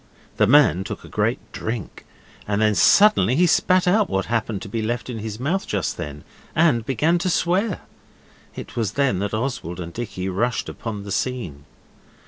The man took a great drink, and then suddenly he spat out what happened to be left in his mouth just then, and began to swear. It was then that Oswald and Dicky rushed upon the scene.